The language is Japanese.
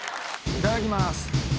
いただきます。